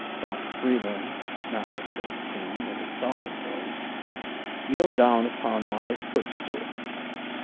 "Dot Freeland," now said the Queen, in a solemn voice, "kneel down upon my footstool."